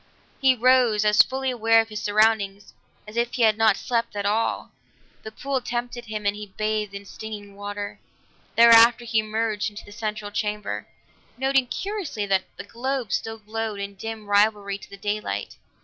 He rose as fully aware of his surroundings as if he had not slept at all; the pool tempted him and he bathed in stinging water. Thereafter he emerged into the central chamber, noting curiously that the globes still glowed in dim rivalry to the daylight.